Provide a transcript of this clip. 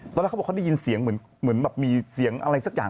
ตอนนั้นเขาบอกว่าเขาได้ยินเสียงเหมือนมีเสียงอะไรสักอย่าง